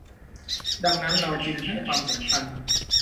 ดังนั้นเราจึงให้ความสำคัญ